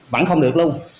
vẫn không được luôn